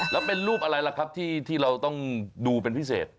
แล้วเป็นรูปอะไรล่ะครับที่เราต้องดูเป็นพิเศษ